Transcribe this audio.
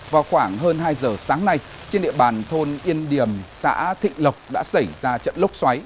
vào khoảng hơn hai giờ sáng nay trên địa bàn thôn yên điểm xã thịnh lộc đã xảy ra trận lốc xoáy